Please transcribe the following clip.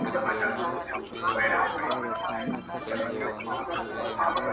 یو صوفي یو قلندر سره یاران وه٫